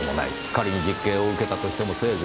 仮に実刑を受けたとしてもせいぜい５年。